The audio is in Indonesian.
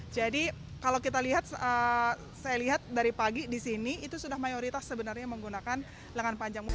jadi kalau kita lihat saya lihat dari pagi disini itu sudah mayoritas sebenarnya menggunakan lengan panjang